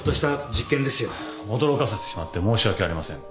驚かせてしまって申し訳ありません。